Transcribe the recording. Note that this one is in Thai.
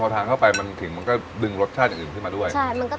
อื้อพอทานเข้าไปมันขิงมันก็ดึงรสชาติอย่างอื่นขึ้นมาด้วย